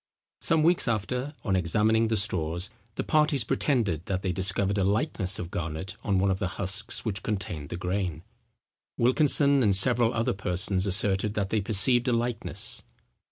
Some weeks after, on examining the straws, the parties pretended, that they discovered a likeness of Garnet on one of the husks which contained the grain. Wilkinson and several other persons asserted that they perceived a likeness.